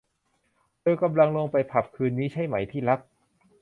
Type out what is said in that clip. เธอกำลังลงไปผับคืนนี้ใช่ไหมที่รัก ?